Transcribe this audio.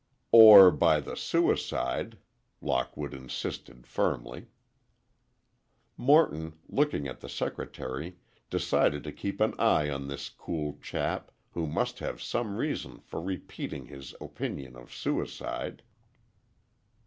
"Or by the suicide," Lockwood insisted firmly. Morton, looking at the secretary, decided to keep an eye on this cool chap, who must have some reason for repeating his opinion of suicide.